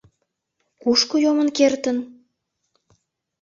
Кушко йомын кертын?